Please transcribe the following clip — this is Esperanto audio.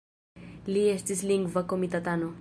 Li estis Lingva Komitatano.